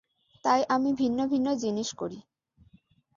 তাই আমি ভিন্ন ভিন্ন জিনিস করি।